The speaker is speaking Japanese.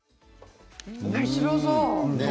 おもしろそう。